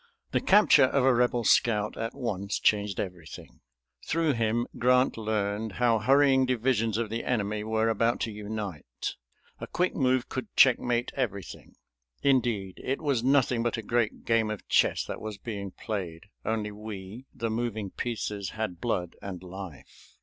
The capture of a Rebel scout at once changed everything. Through him Grant learned how hurrying divisions of the enemy were about to unite. A quick move could checkmate everything. Indeed, it was nothing but a great game of chess that was being played, only we, the moving pieces, had blood and life.